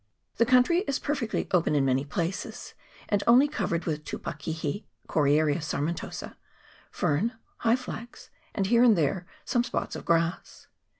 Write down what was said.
The country is perfectly open in many places, and only covered with tupakihi (Coriaria sarmentosa), fern, high flax, and here and there some spots of grass.